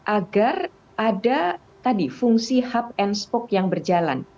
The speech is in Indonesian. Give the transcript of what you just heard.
agar ada tadi fungsi hub and spock yang berjalan